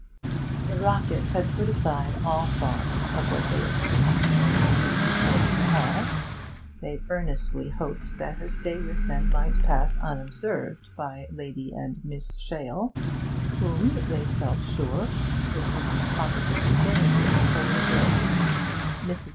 The Rocketts had put aside all thoughts of what they esteemed May's duty towards the Hall; they earnestly hoped that her stay with them might pass unobserved by Lady and Miss Shale, whom, they felt sure, it would be positively dangerous for the girl to meet. Mrs.